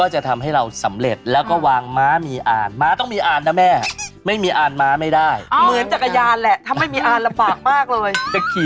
จะทำให้เราสำเร็จแล้วก็วางม้ามีอ่านม้าต้องมีอ่านนะแม่ไม่มีอ่านไม่ได้